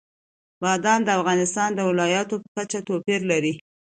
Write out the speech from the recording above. بادام د افغانستان د ولایاتو په کچه توپیر لري.